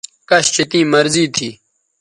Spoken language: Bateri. کش چہ تیں مرضی تھی